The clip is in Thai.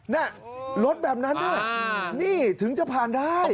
น่ะรถแบบนั้นน่ะนี่ถึงจะผ่านได้